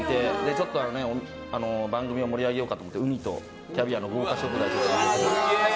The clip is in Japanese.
ちょっと番組を盛り上げようかと思ってウニとキャビアの豪華食材を。